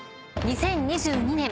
２０２２年